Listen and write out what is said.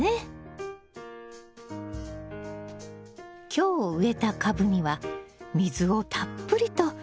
今日植えた株には水をたっぷりとやるわよ。